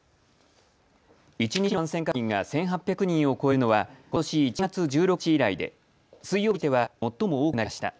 一日の感染確認が１８００人を超えるのは、ことし１月１６日以来で水曜日としては最も多くなりました。